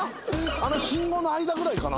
あの信号の間ぐらいかな？